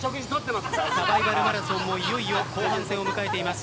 サバイバルマラソンもいよいよ後半戦を迎えています。